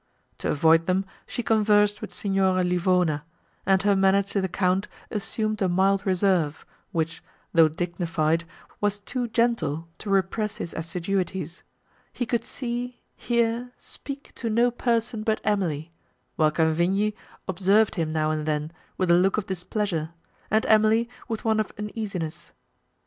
To avoid them she conversed with Signora Livona, and her manner to the Count assumed a mild reserve, which, though dignified, was too gentle to repress his assiduities: he could see, hear, speak to no person, but Emily while Cavigni observed him now and then, with a look of displeasure, and Emily, with one of uneasiness.